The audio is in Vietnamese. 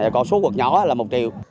còn số quật nhỏ là một triệu